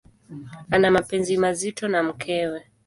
Ana mapenzi mazito na mkewe.